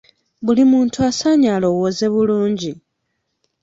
Buli muntu asaanye alowooze bulungi.